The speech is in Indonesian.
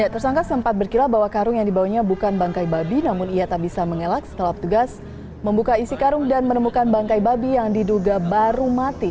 tersangka sempat berkila bahwa karung yang dibawanya bukan bangkai babi namun ia tak bisa mengelak setelah petugas membuka isi karung dan menemukan bangkai babi yang diduga baru mati